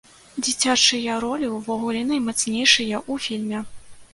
Дзіцячыя ролі, увогуле, наймацнейшыя ў фільме.